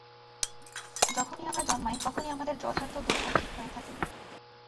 যখনি আমরা জন্মাই তখনি আমাদের যথার্থ দোসর ঠিক হয়ে থাকে।